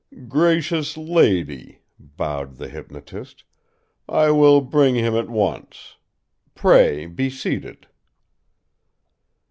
"Gracious lady," bowed the hyponotist, "I will bring him at once. Pray be seated."